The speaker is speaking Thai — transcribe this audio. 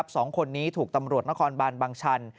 สองคนนี้ถูกตำรวจนครบานบางชัน